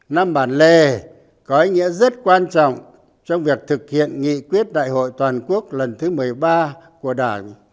năm bản lề có ý nghĩa rất quan trọng trong việc thực hiện nghị quyết đại hội toàn quốc lần thứ một mươi ba của đảng